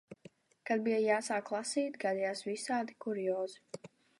Kad bija jāsāk lasīt, gadījās visādi kuriozi.